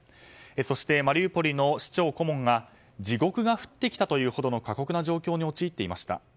そしてマリウポリの市長顧問が地獄が降ってきたというほどの過酷な状況に陥っていました。